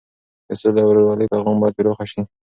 د سولې او ورورولۍ پیغام باید پراخه شي.